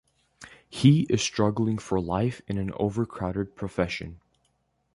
He is struggling for life in an overcrowded profession.